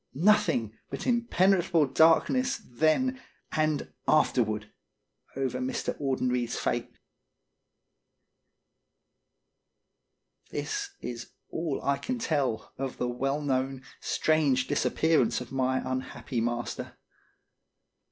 Nothing but impen etrable darkness then and afterward over Mr. Audenried's fate. This is all I can tell of the well known strange disappearance of my unhappy master.